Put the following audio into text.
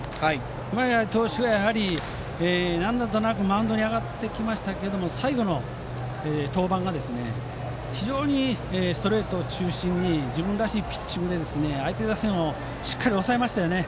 熊谷投手が何度となくマウンドに上がりましたが最後の登板が非常にストレートを中心に自分らしいピッチングで相手打線をしっかり抑えました。